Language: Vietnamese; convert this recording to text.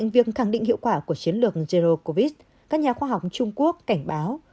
với những hiệu quả của chiến lược zero covid các nhà khoa học trung quốc cảnh báo